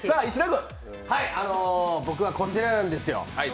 僕はこちらなんですよ。